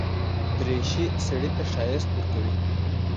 دریشي سړي ته ښايست ورکوي.